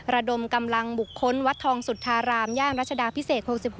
ระดมกำลังบุคคลวัดทองสุธารามย่างรัชดาพิเศษ๖๖